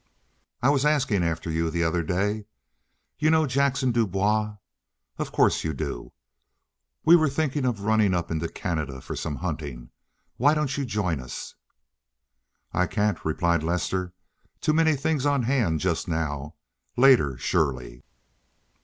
"I was asking after you the other day. You know Jackson Du Bois? Of course you do. We were thinking of running up into Canada for some hunting. Why don't you join us?" "I can't," replied Lester. "Too many things on hand just now. Later, surely."